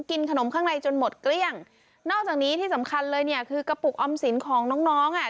กินขนมข้างในจนหมดเกลี้ยงนอกจากนี้ที่สำคัญเลยเนี่ยคือกระปุกออมสินของน้องน้องอ่ะ